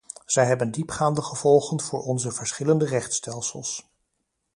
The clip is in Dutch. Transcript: Zij hebben diepgaande gevolgen voor onze verschillende rechtsstelsels.